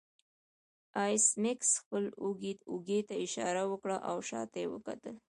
ایس میکس خپل اوږې ته اشاره وکړه او شاته یې وکتل